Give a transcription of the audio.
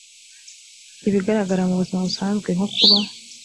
ibigaragara mu buzima busanzwe nko kuba